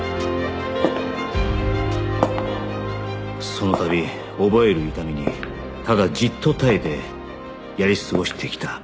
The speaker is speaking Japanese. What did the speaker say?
その度覚える痛みにただじっと耐えてやり過ごしてきた